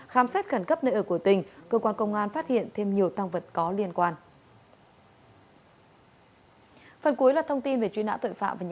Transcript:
khám xét khẩn cấp nơi ở của tình cơ quan công an phát hiện thêm nhiều tăng vật có liên quan